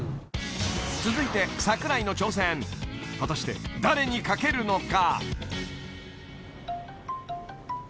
続いて櫻井の挑戦果たして誰にかけるのか？